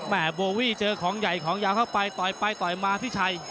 โบวี่เจอของใหญ่ของยาวเข้าไปต่อยไปต่อยมาพี่ชัย